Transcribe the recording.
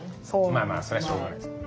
まあまあそれはしょうがないです。